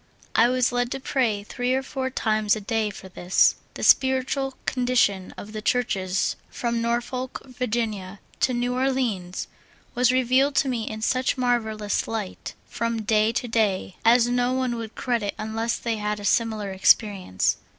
I was led to pray three or four times a day for this ; the spiritual condition of the Churches from Norfolk, Va. , to New Orleans was revealed to me in such marvelous light, from da}" to day, as no one would credit unless they had a similar experience.